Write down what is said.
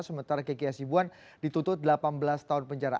sementara kiki hasibuan dituntut delapan belas tahun penjara